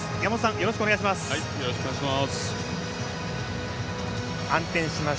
よろしくお願いします。